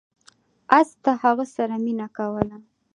اس د هغه سره مینه کوله.